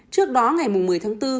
trước đó ngày một mươi tháng bốn